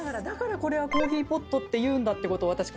だからこれはコーヒーポットっていうんだって私